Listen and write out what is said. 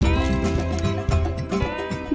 โปรดติดตามตอนต่อไป